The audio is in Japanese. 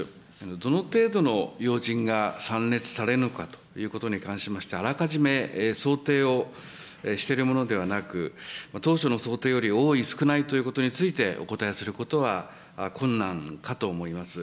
どの程度の要人が参列されるのかということに関しまして、あらかじめ想定をしているものではなく、当初の想定より多い、少ないということについてお答えすることは困難かと思います。